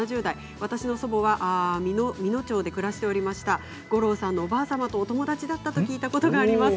私の祖母は美濃で暮らしていました五郎さんのおばあ様とお友達だと聞いたことがあります。